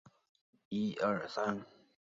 关税对经济的影响对不同国家不同。